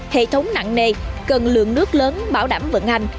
hệ thống nặng nề cần lượng nước lớn bảo đảm vận hành